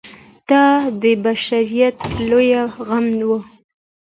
دا د بشریت لوی غم و.